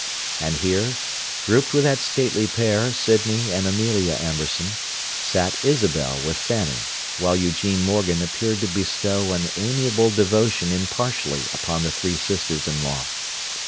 And here, grouped with that stately pair, Sydney and Amelia Amberson, sat Isabel with Fanny, while Eugene Morgan appeared to bestow an amiable devotion impartially upon the three sisters in law.